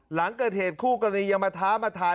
หลังเกิดเหตุคู่กรณียังมาท้ามาทาย